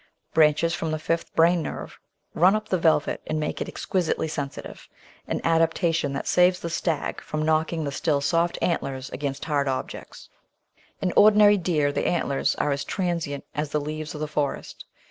Branches from the fifth brain nerve run up the velvet and make it exquisitely sensitive — an adaptation that saves the stag from knocking the still soft antlers against hard objects. In ordinary deer the antlers are as transient as the leaves of the forest.